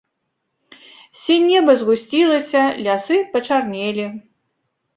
Сінь неба згусцілася, лясы пачарнелі.